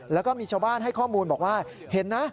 แล้วก็มีชาวบ้านให้ข้อมูลบอกว่าเห็นนะ